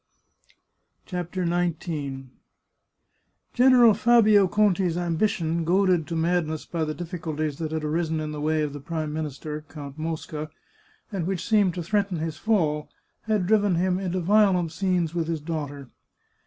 CHAPTER XIX General Fabio Conti's ambition, goaded to madness by the difficulties that had arisen in the way of the Prime Minister, Count Mosca, and which seemed to threaten his fall, had driven him into violent scenes with his daughter.